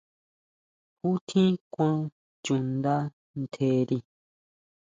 ¿Ju tjín kuan chuʼnda ntjeri?